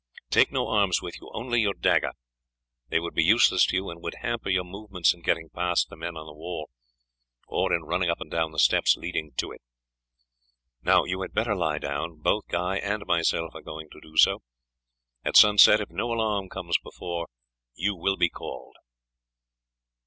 Take no arms with you, only your dagger; they would be useless to you, and would hamper your movements in getting past the men on the wall, or in running up and down the steps leading to it. Now you had better lie down; both Guy and myself are going to do so. At sunset, if no alarm comes before, you will be called."